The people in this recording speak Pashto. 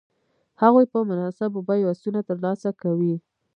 هغوی په مناسبو بیو آسونه تر لاسه کوي.